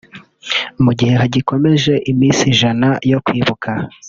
Mu gihe hagikomeje iminsi ijana yo kwibuka